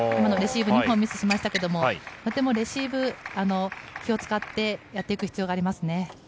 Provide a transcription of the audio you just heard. レシーブ２本ミスしましたけど、レシーブに気を使ってやっていく必要がありますね。